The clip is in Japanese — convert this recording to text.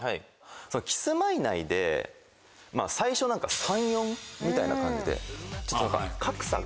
キスマイ内で最初３：４みたいな感じでちょっと格差が。